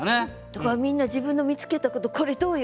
だからみんな自分の見つけたことこれどうよ？